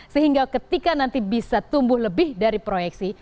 sehingga ketika nanti bisa tumbuh lebih dari proyeksi